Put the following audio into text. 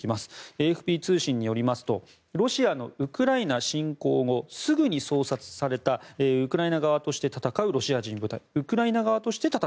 ＡＦＰ通信によりますとロシアのウクライナ侵攻後すぐに創設されたウクライナ側として戦うロシア人部隊だと。